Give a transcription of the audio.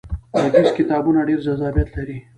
غږیز کتابونه ډیر جذابیت لري.